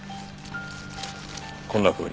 こんなふうに。